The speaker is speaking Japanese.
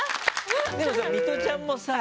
でもさミトちゃんもさ